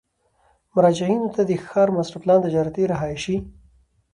مراجعینو ته د ښار ماسټر پلان، تجارتي، رهایشي،